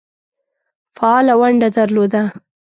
فعاله ونډه درلوده.